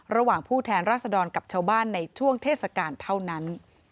ผู้แทนราษดรกับชาวบ้านในช่วงเทศกาลเท่านั้น